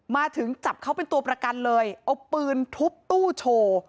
มาถึงจับเขาเป็นตัวประกันเลยเอาปืนทุบตู้โชว์